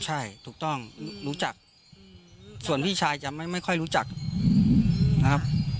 ใช่ถูกต้องรู้จักส่วนพี่ชายจะไม่ค่อยรู้จักนะครับ